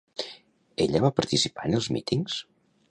Ella va participar en els mítings?